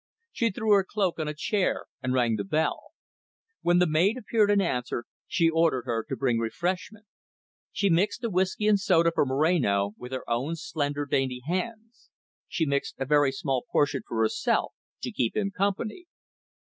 She threw her cloak on a chair and rang the bell. When the maid appeared in answer, she ordered her to bring refreshment. She mixed a whiskey and soda for Moreno with her own slender dainty hands. She mixed a very small portion for herself, to keep him company.